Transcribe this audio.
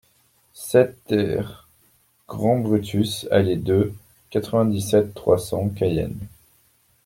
sept TER grand Brutus Allée deux, quatre-vingt-dix-sept, trois cents, Cayenne